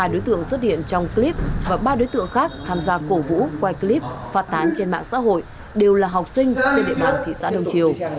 ba đối tượng xuất hiện trong clip và ba đối tượng khác tham gia cổ vũ quay clip phát tán trên mạng xã hội đều là học sinh trên địa bàn thị xã đông triều